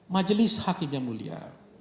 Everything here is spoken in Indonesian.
majelis hakim yang mulia